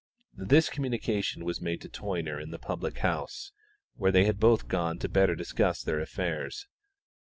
This communication was made to Toyner in the public house, where they had both gone the better to discuss their affairs.